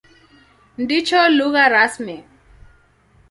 Ndicho lugha rasmi.